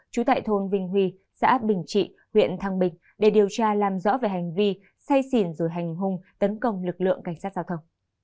trú tại thôn vinh huy xã bình trị huyện thăng bình để điều tra làm rõ về hành vi say xỉn rồi hành hung tấn công lực lượng cảnh sát giao thông